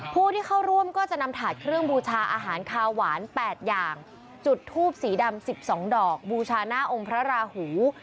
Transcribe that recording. ผู้ที่เข้าร่วมก็จะนำถาดเครื่องบูชาอาหารคาวหวาน๘อย่างจุดทูบสีดำ๑๒ดอกบูชาหน้าองค์พระราหู